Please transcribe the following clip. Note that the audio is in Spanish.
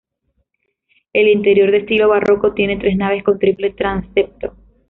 El interior, de estilo barroco, tiene tres naves con triple transepto.